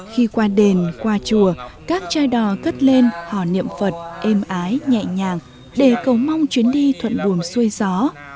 khi qua đền qua chùa các trai đò cất lên hò niệm phật êm ái nhẹ nhàng để cầu mong chuyến đi thuận bùn xuôi gió